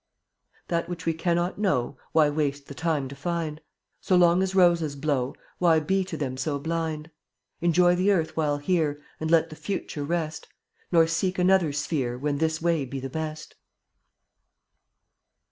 64 That which we cannot know Why waste the time to find? So long as roses blow, Why be to them so blind? Enjoy the earth while here And let the Future rest, Nor seek another sphere When this way be the best.